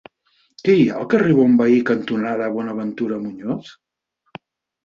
Què hi ha al carrer Bonveí cantonada Buenaventura Muñoz?